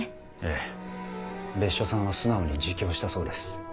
ええ別所さんは素直に自供したそうです。